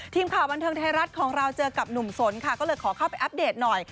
ทีมข่าวบันเทิงไทยรัฐของเราเจอกับหนุ่มสนค่ะก็เลยขอเข้าไปอัปเดตหน่อย